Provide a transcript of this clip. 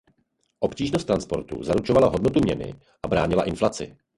Obtížnost transportu zaručovala hodnotu měny a bránila inflaci.